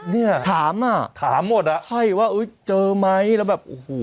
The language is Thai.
เนี่ยถามอ่ะถามหมดอ่ะใช่ว่าเจอไหมแล้วแบบโอ้โห